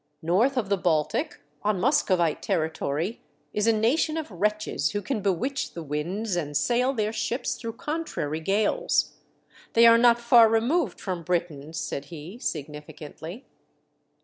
North of the Baltic, on Muskovite territory, is a nation of wretches who can bewitch the winds and sail their ships through contrary gales. They are not far removed from Britain," said he, significantly.